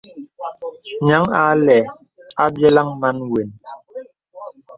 Nyaŋ a lɛ̂ àbyə̀laŋ màn wən.